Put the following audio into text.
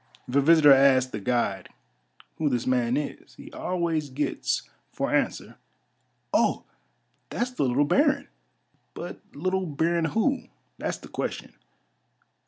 If a visitor asks the guide who this man is, he always gets for answer :—" Oh, that's the Little Baron !" But little Baron who, that's the question